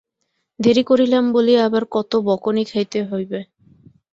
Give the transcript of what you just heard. দেরি করিলাম বলিয়া আবার কত বকনি খাইতে হইবে।